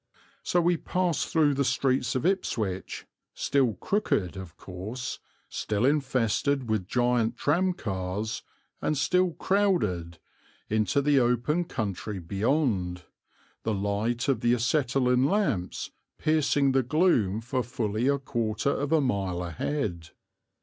So we passed through the streets of Ipswich, still crooked, of course, still infested with giant tramcars, and still crowded, into the open country beyond, the light of the acetylene lamps piercing the gloom for fully a quarter of a mile ahead.